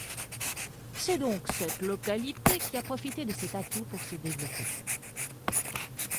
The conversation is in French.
C'est donc cette localité qui a profité de cet atout pour se développer.